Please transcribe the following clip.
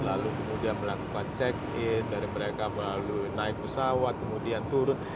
lalu kemudian melakukan check in dari mereka melalui naik pesawat kemudian turun